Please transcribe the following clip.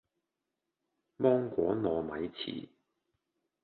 芒果糯米糍